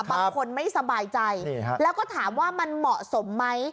บางคนไม่สบายใจแล้วก็ถามว่ามันเหมาะสมไหม